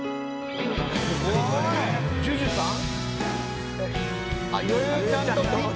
ＪＵＪＵさん？